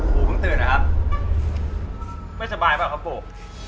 เพิ่งตื่นนะครับไม่สบายเปล่าครับปู่